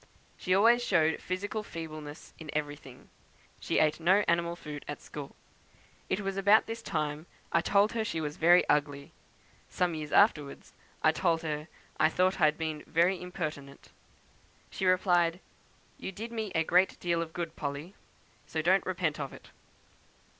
She always showed physical feebleness in everything. She ate no animal food at school. It was about this time I told her she was very ugly. Some years afterwards, I told her I thought I had been very impertinent. She replied, 'You did me a great deal of good, Polly, so don't repent of it.'